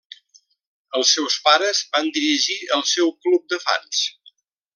Els seus pares van dirigir el seu club de fans.